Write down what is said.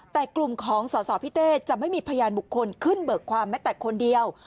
แต่กลุ่มของสอสอพี่เต้จะไม่มีพยานบุคคลขึ้นเบิกความแม้แต่คนเดียว